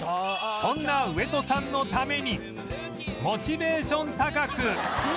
そんな上戸さんのためにモチベーション高く